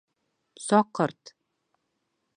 Саҡырт!